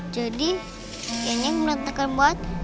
jadi kayaknya merantekan buat